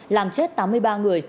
làm chết tám mươi ba người